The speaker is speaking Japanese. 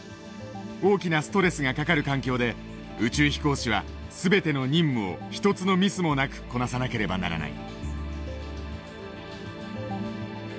大きなストレスがかかる環境で宇宙飛行士は全ての任務を一つのミスもなくこなさなければならない。